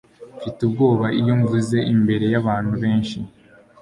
Mfite ubwoba iyo mvuze imbere yabantu benshi.